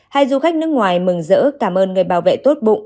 hai du khách nước ngoài mừng rỡ cảm ơn người bảo vệ tốt bụng